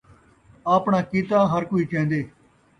آپݨا کیتا ہر کئی چیندے